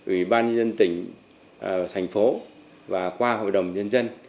ủy ban nhân dân tỉnh thành phố và qua hội đồng nhân dân